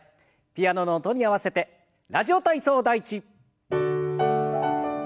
ピアノの音に合わせて「ラジオ体操第１」。